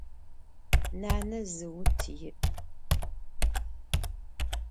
Nane zı vut yi'.